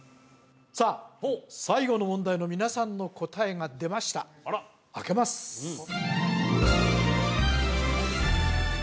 さあ最後の問題の皆さんの答えが出ましたあけますさあ